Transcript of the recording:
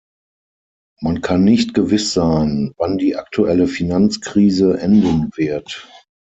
Man kann nicht gewiss sein, wann die aktuelle Finanzkrise enden wird.